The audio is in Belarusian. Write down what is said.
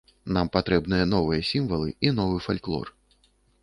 Нам патрэбныя новыя сімвалы і новы фальклор.